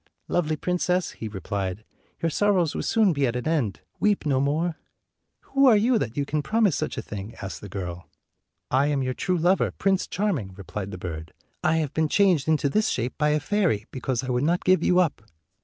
"Lovely princess," he replied, "your sorrows will soon be at an end; weep no more." "Who are you, that you can promise such a thing?" asked the girl. 217 " I am your true lover, Prince Charming/' replied the bird. "I have been changed into this shape by a fairy, because I would not give you up."